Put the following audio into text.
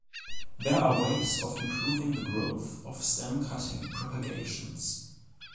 There are ways of improving the growth of stem cutting propagations.